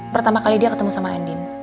pertama kali dia ketemu sama andin